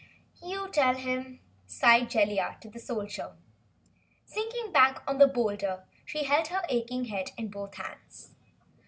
"You tell him," sighed Jellia to the Soldier. Sinking back on the boulder she held her aching head in both hands.